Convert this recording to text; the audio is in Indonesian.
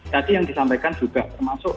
tadi yang disampaikan juga termasuk